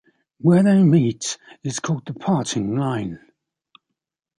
Where they meet is called the parting line.